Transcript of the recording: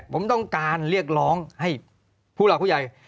ผมต้องการเรียกร้องให้ผู้หลักผู้ใหญ่